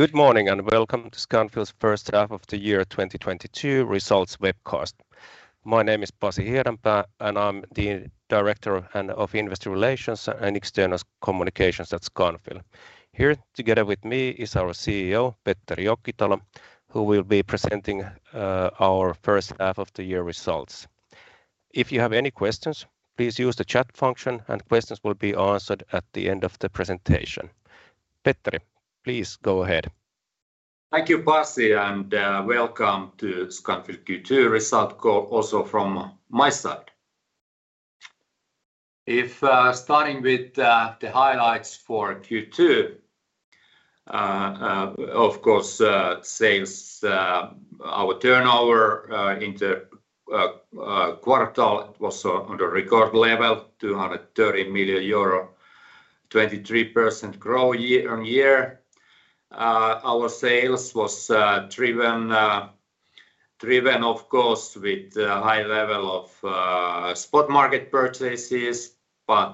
Good morning, and welcome to Scanfil's first half of 2022 results webcast. My name is Pasi Hiedanpää, and I'm the Director of Investor Relations and Communications at Scanfil. Here together with me is our CEO, Petteri Jokitalo, who will be presenting our first half of the year results. If you have any questions, please use the chat function, and questions will be answered at the end of the presentation. Petteri, please go ahead. Thank you, Pasi, and welcome to Scanfil Q2 results call also from my side. Starting with the highlights for Q2, of course, sales, our turnover in the quarter was on a record level, 230 million euro, 23% growth year-on-year. Our sales was driven of course with a high level of spot market purchases.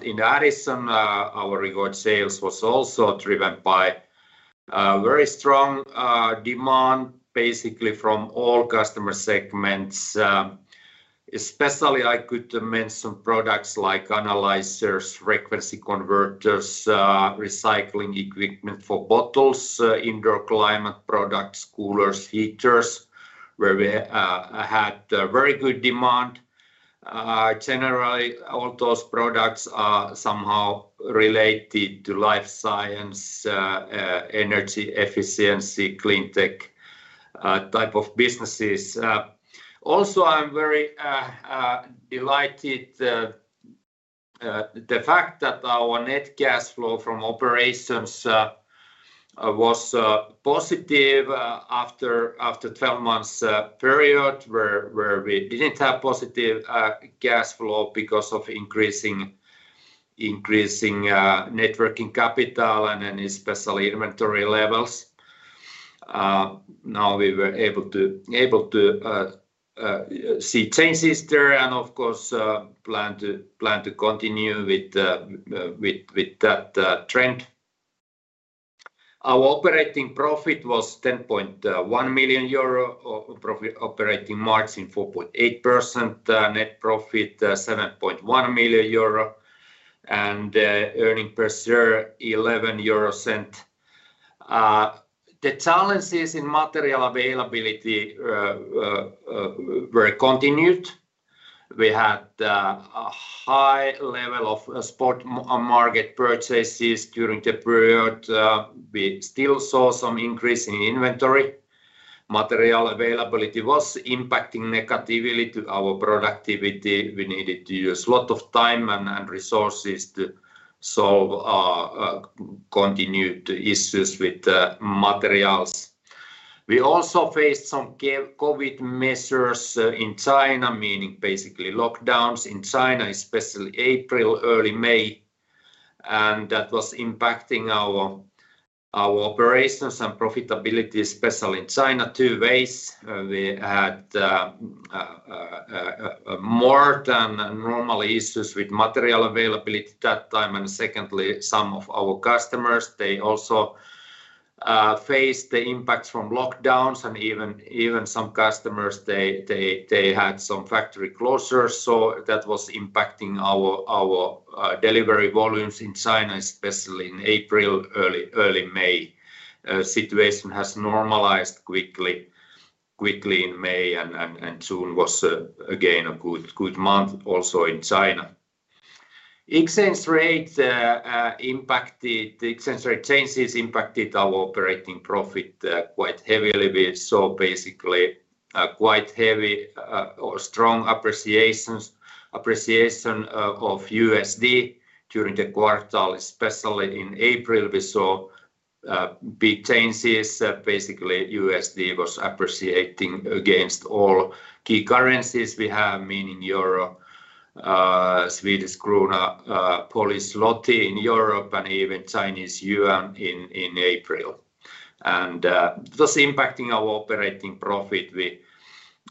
In addition, our record sales was also driven by very strong demand, basically from all customer segments. Especially I could mention products like analyzers, frequency converters, recycling equipment for bottles, indoor climate products, coolers, heaters, where we had a very good demand. Generally all those products are somehow related to Life Science, energy efficiency, Cleantech type of businesses. Also I'm very delighted the fact that our net cash flow from operations was positive after 12-month period where we didn't have positive cash flow because of increasing working capital and especially inventory levels. Now we were able to see changes there and of course plan to continue with that trend. Our operating profit was 10.1 million euro. Operating margin 4.8%. Net profit 7.1 million euro. Earnings per share 0.11 EUR. The challenges in material availability were continued. We had a high level of spot market purchases during the period. We still saw some increase in inventory. Material availability was impacting negatively to our productivity. We needed to use lot of time and resources to solve continued issues with materials. We also faced some COVID measures in China, meaning basically lockdowns in China, especially April, early May. That was impacting our operations and profitability, especially in China, two ways. We had more than normal issues with material availability that time. Secondly, some of our customers they also faced the impacts from lockdowns and even some customers they had some factory closures. That was impacting our delivery volumes in China, especially in April, early May. Situation has normalized quickly in May, and June was again a good month also in China. Exchange rate impacted. The exchange rate changes impacted our operating profit quite heavily. We saw basically a quite heavy or strong appreciation of USD during the quarter. Especially in April, we saw big changes. Basically USD was appreciating against all key currencies we have, meaning Euro, Swedish krona, Polish zloty in Europe, and even Chinese yuan in April. This impacting our operating profit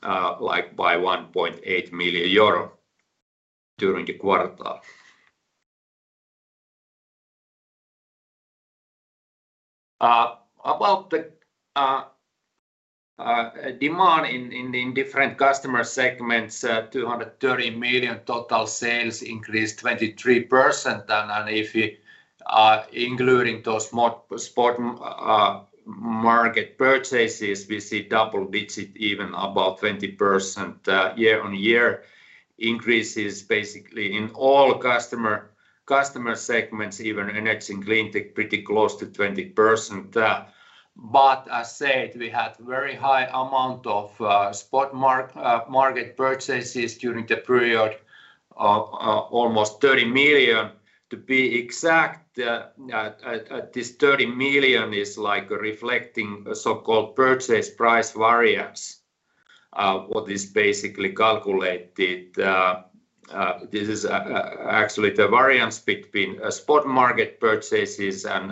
by 1.8 million euro during the quarter. About the demand in different customer segments, 230 million total sales increased 23%. If you including those more spot market purchases, we see double digits even above 20% year-on-year increases basically in all customer segments, even NX and Cleantech pretty close to 20%. As said, we had a very high amount of spot market purchases during the period of almost 30 million to be exact. This 30 million is like reflecting so-called purchase price variance, what is basically calculated. This is actually the variance between spot market purchases and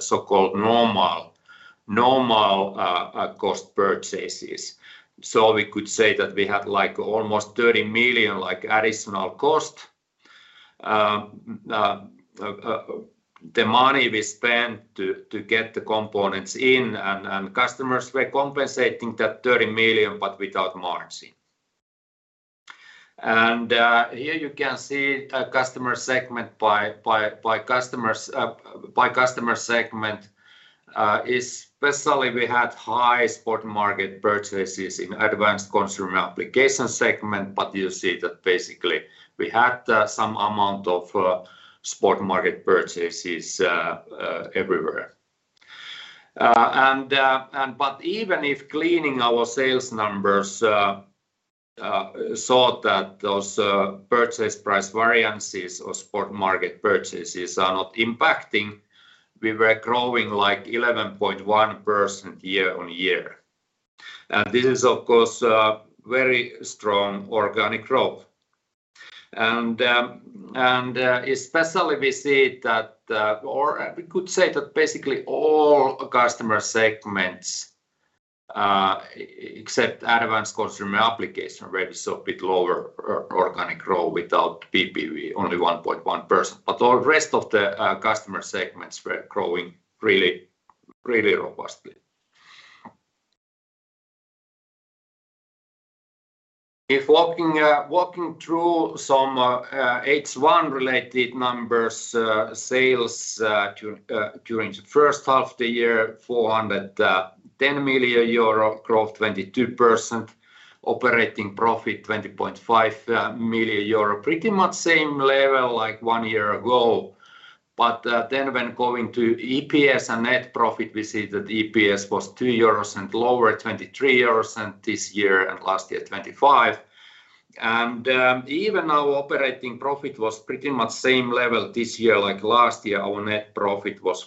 so-called normal cost purchases. We could say that we had like almost 30 million like additional cost, the money we spent to get the components in and customers were compensating that 30 million but without margin. Here you can see a customer segment by customers, by customer segment. Especially we had high spot market purchases in Advanced Consumer Applications segment. You see that basically we had some amount of spot market purchases everywhere. Even if cleaning our sales numbers, saw that those purchase price variances or spot market purchases are not impacting, we were growing like 11.1% year-on-year. This is of course a very strong organic growth. Especially we see that, or we could say that basically all customer segments, except Advanced Consumer Applications where we saw a bit lower organic growth without PPV, only 1.1%. All rest of the customer segments were growing really, really robustly. Walking through some H1 related numbers, sales during the first half of the year 410 million euro, growth 22%, operating profit 20.5 million euro, pretty much same level like one year ago. Then when going to EPS and net profit, we see that EPS was 0.2 euros lower, 2.3 euros this year and last year 2.5. Even our operating profit was pretty much same level this year like last year. Our net profit was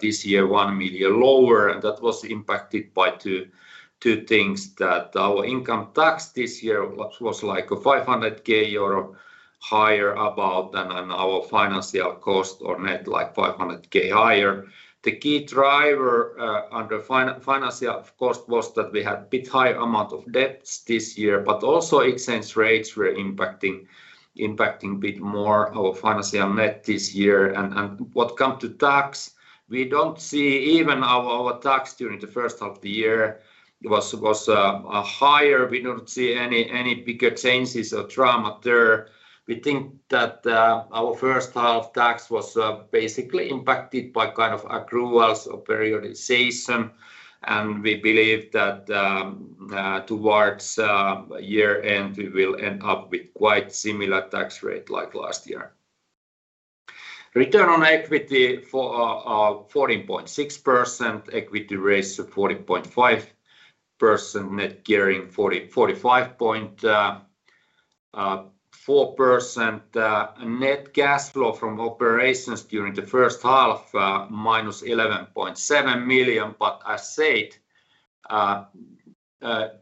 this year 1 million lower, and that was impacted by two things that our income tax this year was like 500K euro higher about than our financial cost or net like 500K higher. The key driver under financial cost was that we had a bit high amount of debts this year, but also expense rates were impacting a bit more our financial net this year. What comes to tax, we don't see even our tax during the first half of the year was higher. We don't see any bigger changes or drama there. We think that our first half tax was basically impacted by kind of accruals or periodization, and we believe that towards year-end, we will end up with quite similar tax rate like last year. Return on equity for 14.6%. Equity ratio 14.5%. Net gearing 44.4%. Net cash flow from operations during the first half -11.7 million. As said,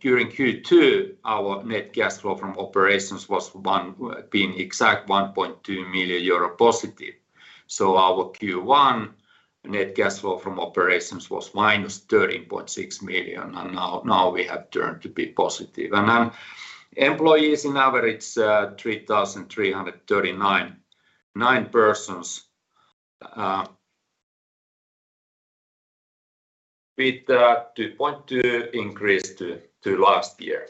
during Q2, our net cash flow from operations was 1.2 million euro positive. Our Q1 net cash flow from operations was minus 13.6 million, and now we have turned to be positive. Employees in average, 3,339 persons, with 2.2% increase to last year.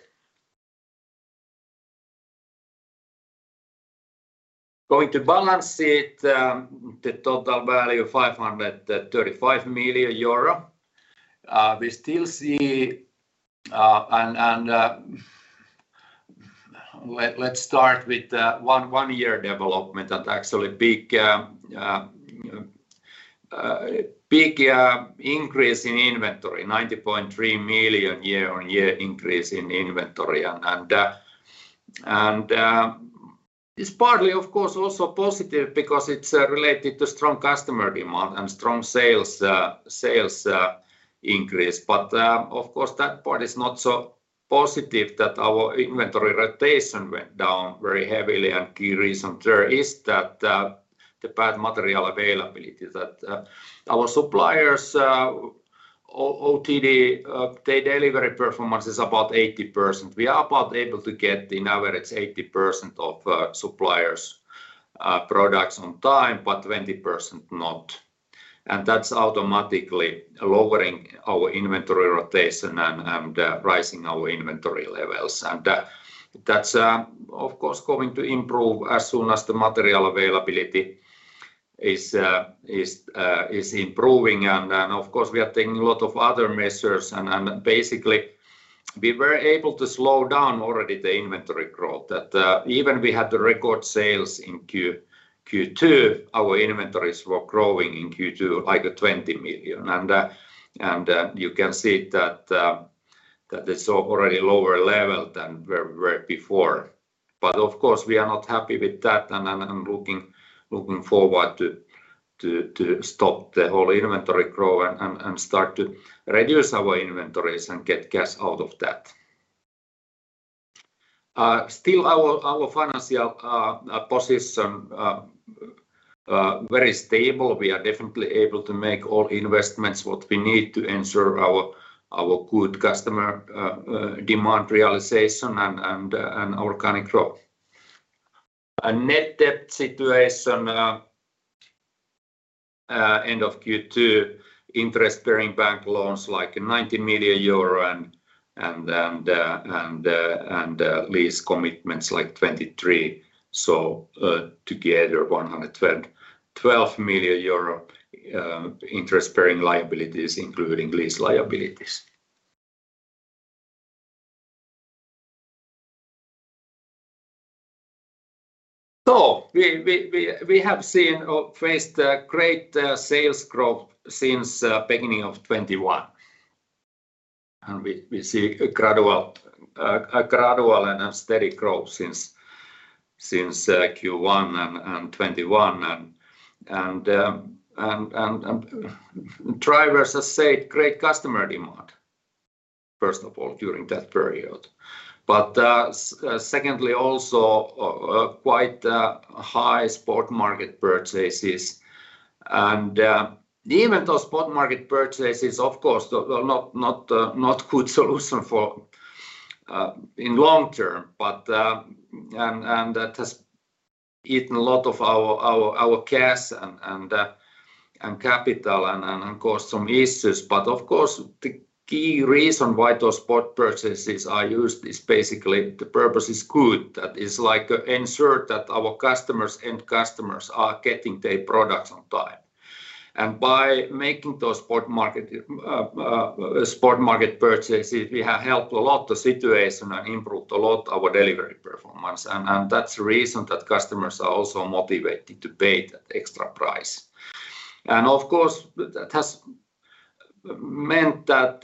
Going to balance sheet, the total value 535 million euro. We still see, let's start with the one year development. That actually big increase in inventory, 90.3 million year on year increase in inventory. It's partly of course also positive because it's related to strong customer demand and strong sales increase. Of course, that part is not so positive that our inventory rotation went down very heavily. Key reason there is that the bad material availability that our suppliers OTD their delivery performance is about 80%. We are about able to get in average 80% of suppliers' products on time, but 20% not. That's automatically lowering our inventory rotation and rising our inventory levels. That's of course going to improve as soon as the material availability is improving. Of course we are taking a lot of other measures and basically we were able to slow down already the inventory growth that even we had the record sales in Q2, our inventories were growing in Q2 like 20 million. You can see that it's already lower level than where we were before. Of course, we are not happy with that, and I'm looking forward to stop the whole inventory growth and start to reduce our inventories and get cash out of that. Still our financial position very stable. We are definitely able to make all investments what we need to ensure our good customer demand realization and organic growth. Net debt situation end of Q2, interest-bearing bank loans like 19 million euro and the lease commitments like 23 million. Together 112 million euro interest-bearing liabilities including lease liabilities. We have seen or faced a great sales growth since beginning of 2021. We see a gradual and a steady growth since Q1 and 2021 and driven by great customer demand, first of all, during that period. Secondly, also quite high spot market purchases. Even those spot market purchases of course they're not good solution for the long term, but. That has eaten a lot of our cash and capital and caused some issues. Of course, the key reason why those spot purchases are used is basically the purpose is good. That is like ensure that our customers, end customers are getting their products on time. By making those spot market purchases, we have helped a lot the situation and improved a lot our delivery performance and that's the reason that customers are also motivated to pay that extra price. Of course, that has meant that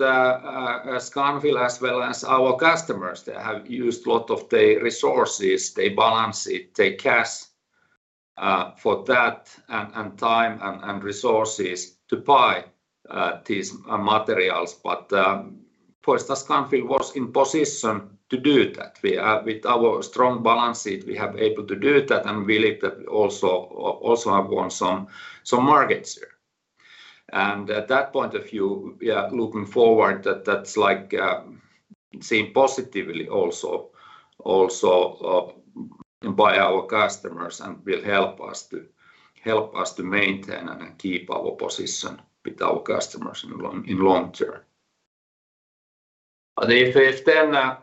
Scanfil as well as our customers, they have used a lot of their resources, their balance sheet, their cash for that and time and resources to buy these materials. Of course, Scanfil was in position to do that. With our strong balance sheet, we have able to do that and believe that we also have won some markets here. At that point of view, yeah, looking forward that that's like seen positively also by our customers and will help us to maintain and keep our position with our customers in long term. If then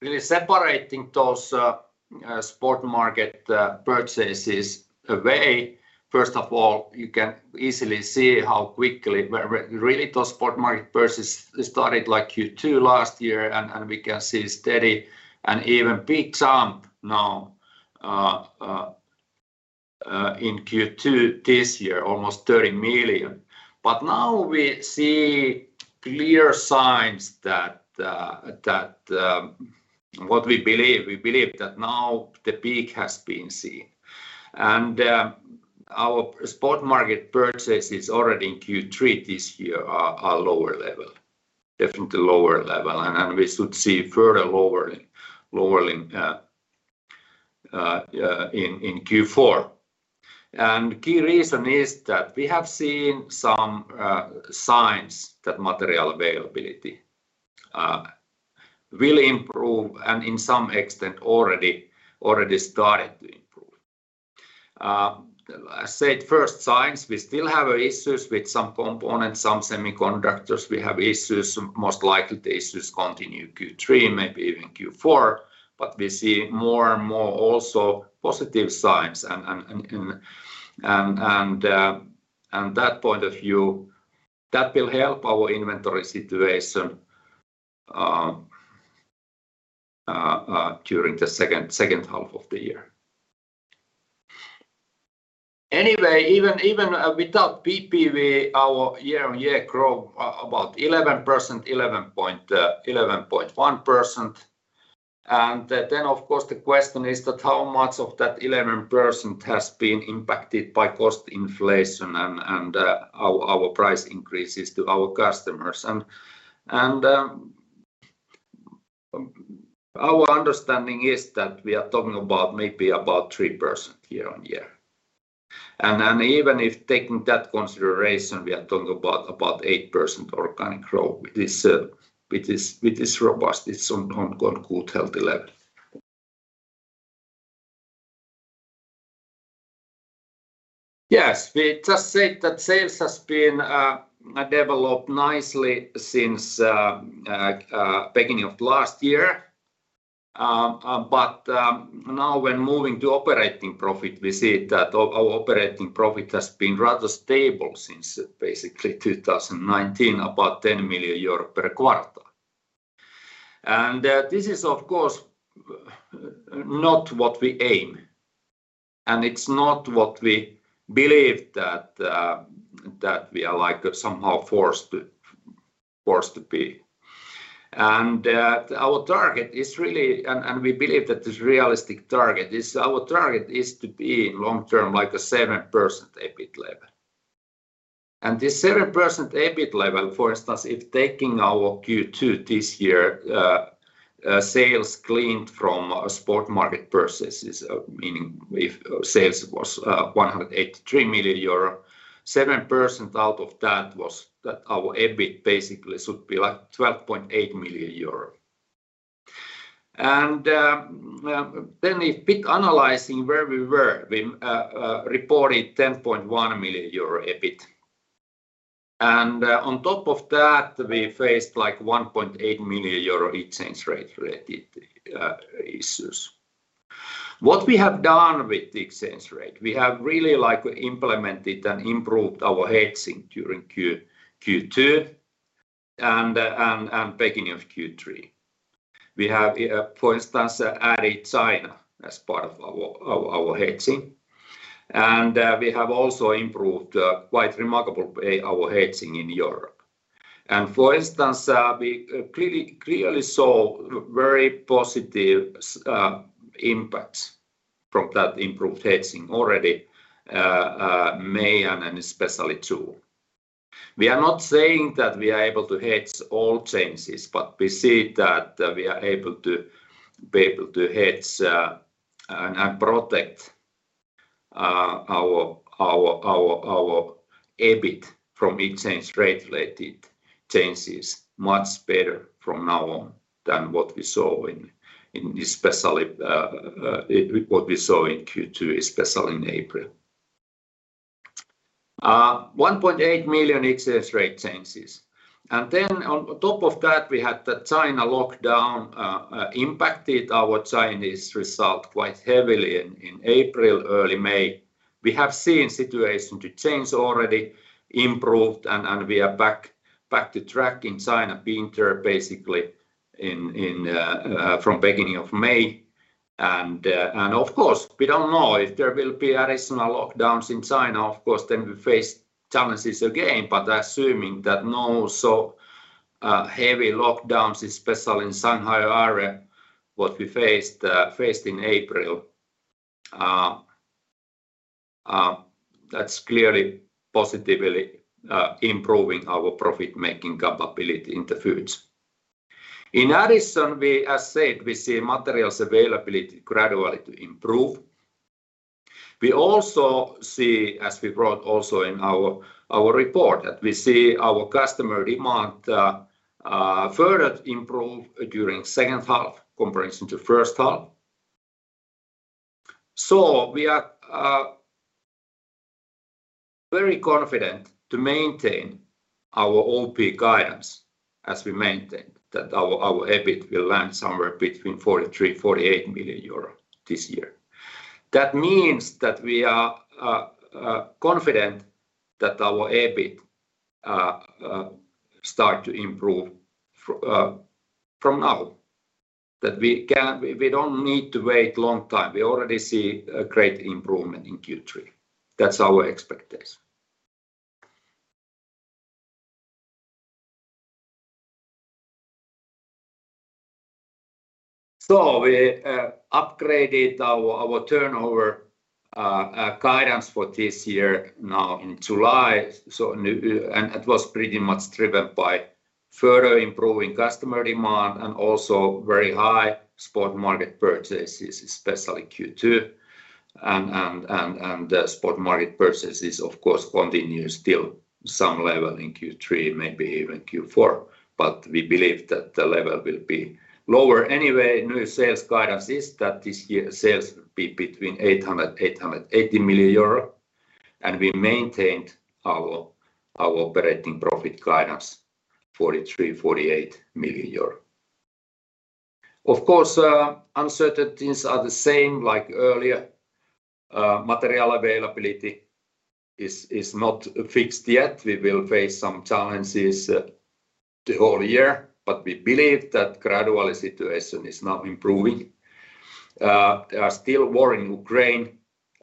really separating those spot market purchases away, first of all, you can easily see how quickly they really those spot market purchases started like Q2 last year, and we can see steady and even big jump now in Q2 this year, almost 30 million. Now we see clear signs that what we believe that now the peak has been seen. Our spot market purchases already in Q3 this year are lower level, definitely lower level. We should see further lowering in Q4. Key reason is that we have seen some signs that material availability will improve and in some extent already started to improve. I said first signs, we still have issues with some components, some semiconductors. We have issues, most likely the issues continue Q3, maybe even Q4, but we see more and more also positive signs and that point of view, that will help our inventory situation during the second half of the year. Anyway, even without PPV, our year-on-year growth about 11.1%. Of course the question is that how much of that 11% has been impacted by cost inflation and our price increases to our customers. Our understanding is that we are talking about maybe about 3% year-on-year. Even if taking that consideration, we are talking about about 8% organic growth. It is robust. It's on good healthy level. Yes. We just said that sales has been developed nicely since beginning of last year. Now when moving to operating profit, we see that our operating profit has been rather stable since basically 2019, about 10 million euros per quarter. This is of course not what we aim and it's not what we believe that that we are like somehow forced to be. Our target is really we believe that this realistic target is our target is to be in long term like a 7% EBIT level. This 7% EBIT level, for instance, if taking our Q2 this year, sales cleaned from spot market purchases, meaning if sales was one hundred and eighty-three million euro, 7% out of that was that our EBIT basically should be like 12.8 million euro. Then if EBIT analyzing where we were, we reported 10.1 million euro EBIT. On top of that, we faced like 1.8 million euro exchange rate related issues. What we have done with the exchange rate, we have really like implemented and improved our hedging during Q2 and beginning of Q3. We have, for instance, added China as part of our hedging. We have also improved quite remarkably our hedging in Europe. For instance, we clearly saw very positive impacts from that improved hedging already, May and especially June. We are not saying that we are able to hedge all changes, but we see that we are able to hedge and protect our EBIT from exchange rate related changes much better from now on than what we saw in especially what we saw in Q2, especially in April. 1.8 million exchange rate changes. Then on top of that, we had the China lockdown impacted our Chinese result quite heavily in April, early May. We have seen situation to change already improved and we are back to track in China, being there basically from beginning of May. Of course, we don't know if there will be additional lockdowns in China. Of course, then we face challenges again. But assuming that no so heavy lockdowns, especially in Shanghai area, what we faced in April, that's clearly positively improving our profit making capability in the future. In addition, we, as said, we see materials availability gradually to improve. We also see, as we wrote also in our report, that we see our customer demand further improve during second half comparison to first half. We are very confident to maintain our OP guidance as we maintain that our EBIT will land somewhere between 43 million and 48 million euro this year. That means that we are confident that our EBIT start to improve from now. That we can. We don't need to wait long time. We already see a great improvement in Q3. That's our expectations. We upgraded our turnover guidance for this year now in July. It was pretty much driven by further improving customer demand and also very high spot market purchases, especially Q2. The spot market purchases of course continue still some level in Q3, maybe even Q4. We believe that the level will be lower anyway. New sales guidance is that this year sales will be between 800 million-880 million euro. We maintained our operating profit guidance 43 million-48 million euro. Of course, uncertainties are the same like earlier. Material availability is not fixed yet. We will face some challenges the whole year, but we believe that gradually situation is now improving. There are still war in Ukraine.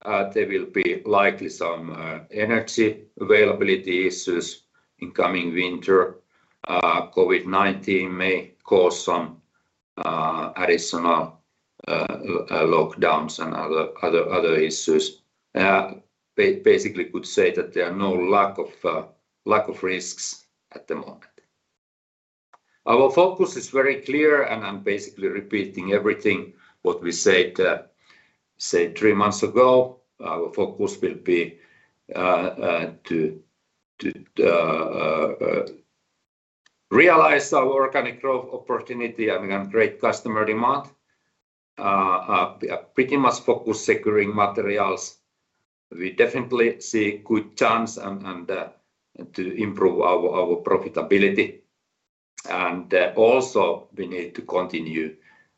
There will be likely some energy availability issues in coming winter. COVID-19 may cause some additional lockdowns and other issues. Basically could say that there are no lack of risks at the moment. Our focus is very clear, and I'm basically repeating everything what we said three months ago. Our focus will be to realize our organic growth opportunity. I mean on great customer demand. We are pretty much focused on securing materials. We definitely see good chance to improve our profitability. Also we need to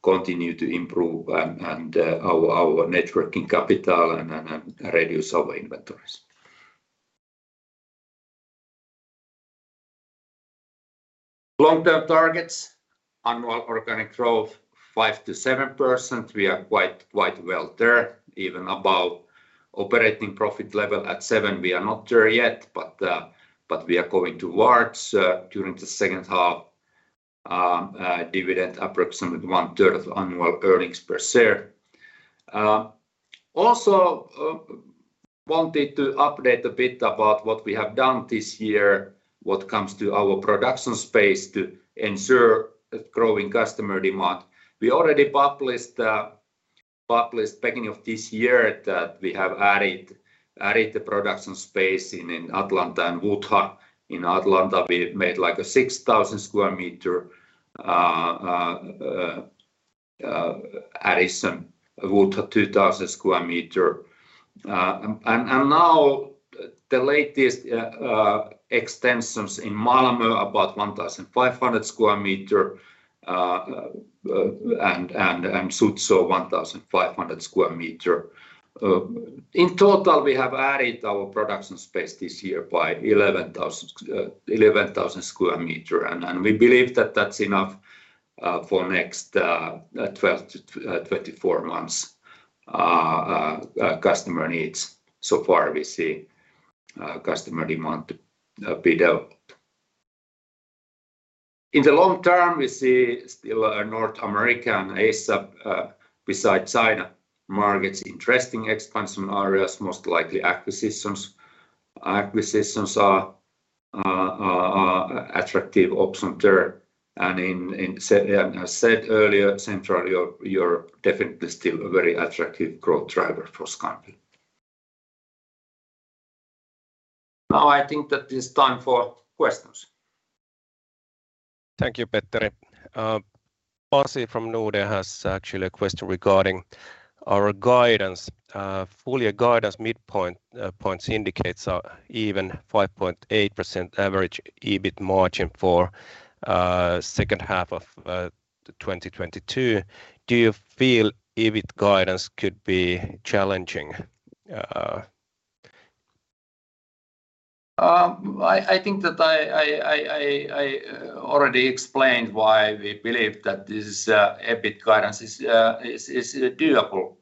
continue to improve our net working capital and reduce our inventories. Long-term targets, annual organic growth 5%-7%. We are quite well there. Even about operating profit level at 7%, we are not there yet, but we are going towards during the second half. Dividend approximately one third annual earnings per share. Also wanted to update a bit about what we have done this year what comes to our production space to ensure growing customer demand. We already published beginning of this year that we have added the production space in Atlanta and Wuhan. In Atlanta, we made, like, a 6,000 sq m addition. Wuhan, 2,000 sq m. Now the latest extensions in Malmö about 1,500 sq m. Suzhou 1,500 sq m. In total, we have added our production space this year by 11,000 sq m, and we believe that that's enough for next 12-24 months customer needs. So far we see customer demand build up. In the long term, we see still North America and APAC besides China markets interesting expansion areas, most likely acquisitions. Acquisitions are attractive option there. Yeah, as I said earlier, Central Europe definitely still a very attractive growth driver for Scanfil. Now I think that it's time for questions. Thank you, Petteri. Pasi from Nordea has actually a question regarding our guidance. Full year guidance midpoint points indicates even 5.8% average EBIT margin for second half of 2022. Do you feel EBIT guidance could be challenging? I think that I already explained why we believe that this EBIT guidance is doable.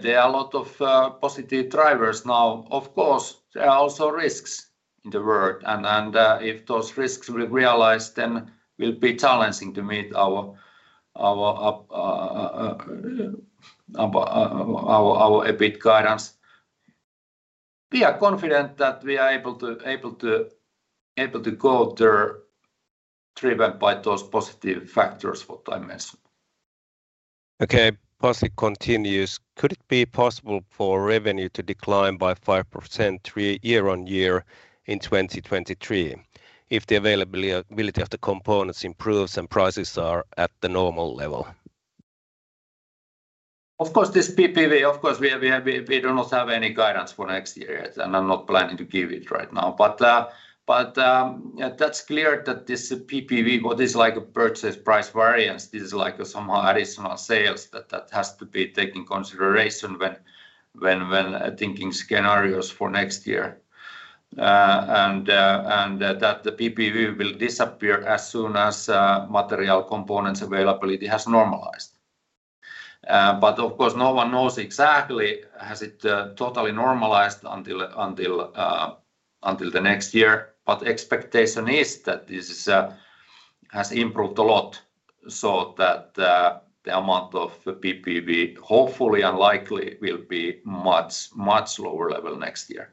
There are a lot of positive drivers now. Of course, there are also risks in the world, and if those risks will realize, then will be challenging to meet our EBIT guidance. We are confident that we are able to go there driven by those positive factors what I mentioned. Okay. Pasi continues: Could it be possible for revenue to decline by 5% year-on-year in 2023 if the availability of the components improves and prices are at the normal level? Of course, this PPV. We do not have any guidance for next year, and I'm not planning to give it right now. Yeah, that's clear that this PPV what is like a purchase price variance. This is like somehow additional sales that has to be taken into consideration when thinking scenarios for next year. That the PPV will disappear as soon as material components availability has normalized. Of course, no one knows exactly if it has totally normalized until the next year. Expectation is that this has improved a lot so that the amount of PPV hopefully and likely will be much lower level next year.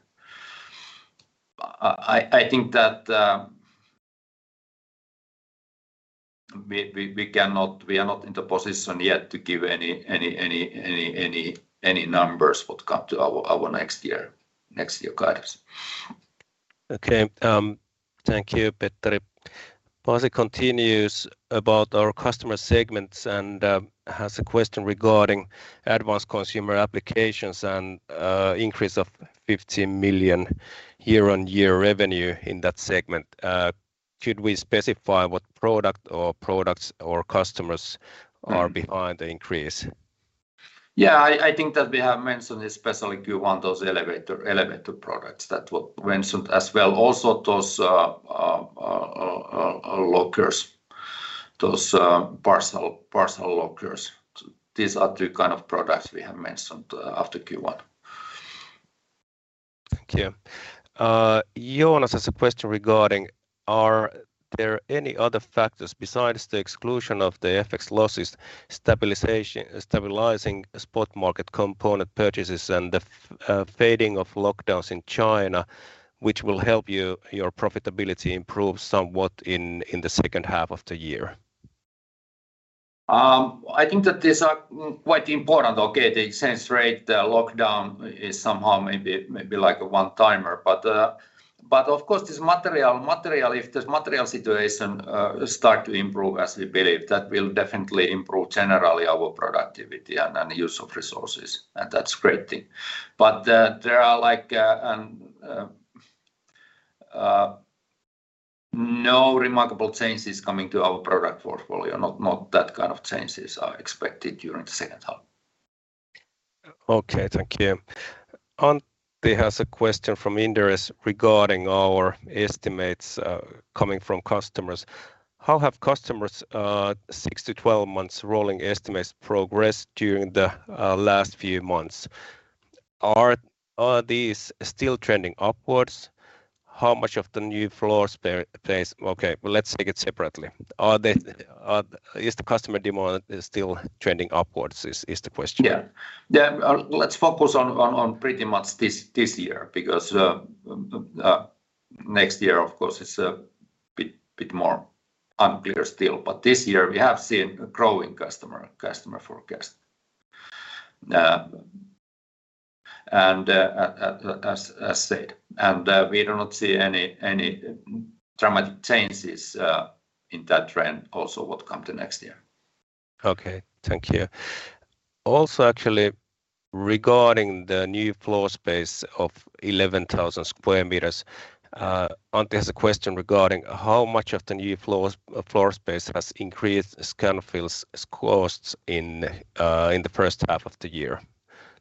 I think that we cannot. We are not in the position yet to give any numbers what come to our next year guidance. Okay. Thank you, Petteri. Pasi continues about our customer segments and has a question regarding Advanced Consumer Applications and increase of 15 million year-on-year revenue in that segment. Should we specify what product or products or customers are behind the increase? Yeah. I think that we have mentioned especially Q1, those elevator products that were mentioned as well. Also those lockers, those parcel lockers. These are the kind of products we have mentioned after Q1. Thank you. Jonas has a question regarding, are there any other factors besides the exclusion of the FX losses, stabilizing spot market component purchases, and the fading of lockdowns in China, which will help your profitability improve somewhat in the second half of the year? I think that these are quite important. Okay, the exchange rate, the lockdown is somehow maybe like a one-timer. Of course this material situation starts to improve as we believe, that will definitely improve generally our productivity and use of resources, and that's great thing. There are, like, no remarkable changes coming to our product portfolio. Not that kind of changes are expected during the second half. Okay. Thank you. Antti has a question from Inderes regarding our estimates coming from customers. How have customers' six to 12 months rolling estimates progressed during the last few months? Are these still trending upwards? How much of the new floor space? Okay. Well, let's take it separately. Is the customer demand still trending upwards? Is the question. Yeah. Let's focus on pretty much this year because next year of course is a bit more unclear still. This year we have seen a growing customer forecast and as said. We do not see any dramatic changes in that trend also what come the next year. Thank you. Also, actually regarding the new floor space of 11,000 sq m, Antti has a question regarding how much of the new floor space has increased Scanfil's costs in the first half of the year?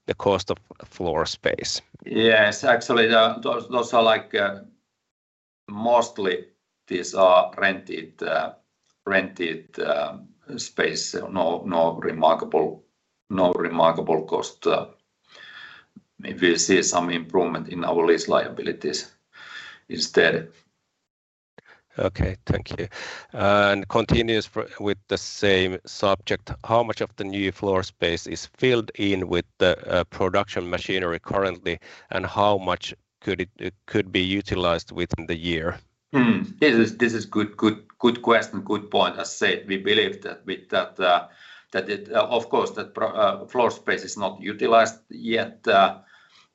The cost of floor space. Yes. Actually, those are like mostly these are rented space. No remarkable cost. Maybe we'll see some improvement in our lease liabilities instead. Okay. Thank you. Continuing with the same subject, how much of the new floor space is filled in with the production machinery currently? How much could it be utilized within the year? This is good question, good point. As said, we believe that with that, of course, floor space is not utilized yet,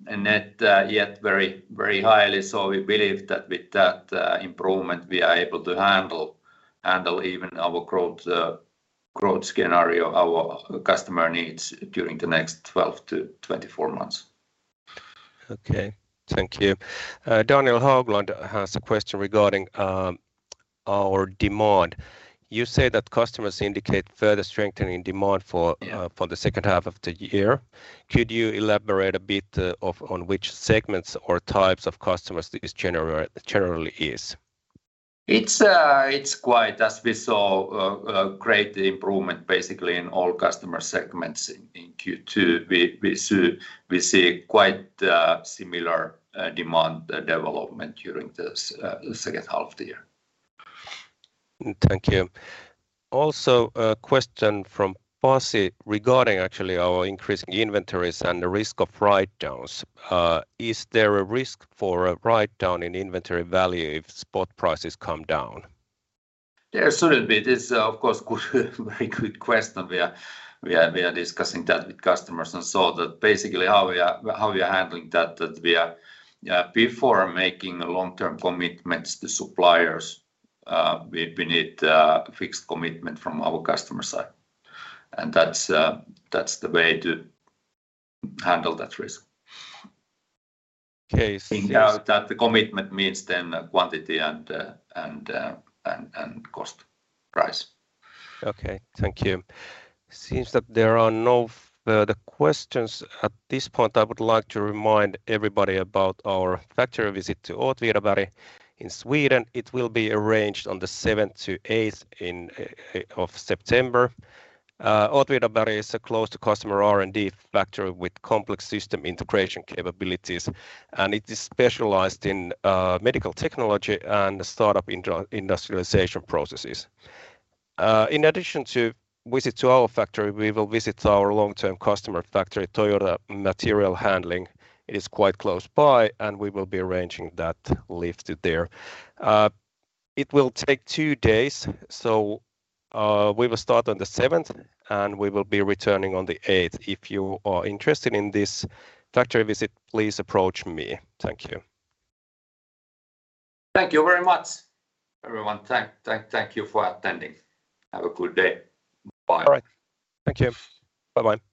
and yet very highly. We believe that with that improvement, we are able to handle even our growth scenario our customer needs during the next 12-24 months. Okay. Thank you. Daniel Häglund has a question regarding our demand. You say that customers indicate further strengthening demand for- Yeah for the second half of the year. Could you elaborate a bit, on which segments or types of customers this generally is? It's quite as we saw a great improvement basically in all customer segments in Q2. We see quite similar demand development during the second half of the year. Thank you. Also, a question from Pasi regarding actually our increasing inventories and the risk of write-downs. Is there a risk for a write-down in inventory value if spot prices come down? There shouldn't be. This is, of course, a good, very good question. We are discussing that with customers and see that basically how we are handling that. That we are, before making long-term commitments to suppliers, we need a fixed commitment from our customer side. That's the way to handle that risk. Okay. No doubt that the commitment means the quantity and cost price. Okay. Thank you. Seems that there are no further questions. At this point, I would like to remind everybody about our factory visit to Åtvidaberg in Sweden. It will be arranged on the 7th to 8th of September. Åtvidaberg is a close to customer R&D factory with complex system integration capabilities, and it is specialized in medical technology and startup industrialization processes. In addition to visit to our factory, we will visit our long-term customer factory, Toyota Material Handling. It is quite close by, and we will be arranging that lift there. It will take two days. We will start on the 7th, and we will be returning on the 8th. If you are interested in this factory visit, please approach me. Thank you. Thank you very much, everyone. Thank you for attending. Have a good day. Bye. All right. Thank you. Bye-bye.